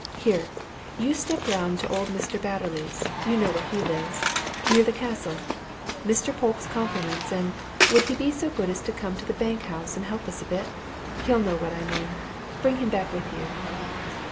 "Here, you step round to old Mr. Batterley's you know where he lives near the Castle. Mr. Polke's compliments, and would he be so good as to come to the bank house and help us a bit? he'll know what I mean. Bring him back with you."